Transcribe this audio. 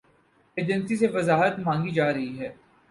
Agency سے وضاحت مانگی جا رہی ہے۔